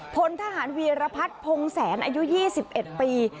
พลทหารวีรพัฒน์พงแสนอายุ๒๑ปี